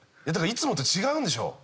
だからいつもと違うんでしょ？